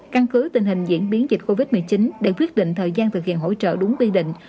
căn cứ tình hình diễn biến dịch covid một mươi chín để quyết định thời gian thực hiện hỗ trợ đúng quy định